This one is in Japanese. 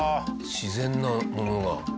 自然なものが。